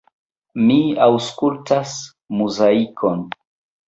Mi aŭskultas Muzaikon.